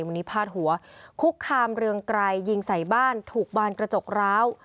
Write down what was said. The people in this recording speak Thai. วันนี้พาดหัวคุกคามเรืองไกรยิงใส่บ้านถูกบานกระจกร้าว